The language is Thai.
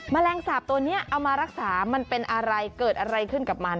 แมลงสาปตัวนี้เอามารักษามันเป็นอะไรเกิดอะไรขึ้นกับมัน